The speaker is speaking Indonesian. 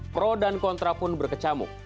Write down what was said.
pro dan kontra pun berkecamuk